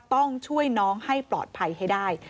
ต้องช่วยน้องให้ปลอดภัยให้ได้